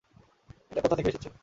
এটা কোথা থেকে এসেছে?